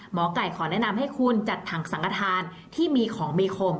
หมอไก่ขอแนะนำให้คุณจัดถังสังกฐานที่มีของมีคม